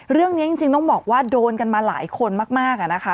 เรื่องนี้จริงต้องบอกว่าโดนกันมาหลายคนมากอะนะคะ